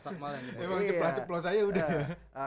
memang cepat cepat saya udah